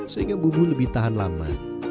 sehingga bumbu lebih tahan lama